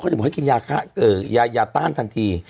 จะบอกให้กินยายาต้านทันที